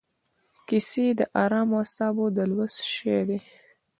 کیسې د ارامو اعصابو د لوست شی دی.